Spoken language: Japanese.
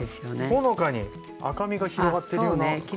ほのかに赤みが広がってるような感じもしますね。